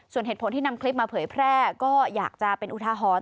ส่วนเหตุผลที่นำคลิปมาเผยแพร่ก็อยากจะเป็นอุทาหรณ์